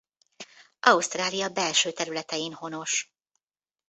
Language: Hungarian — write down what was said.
Ausztrália belső területein honos.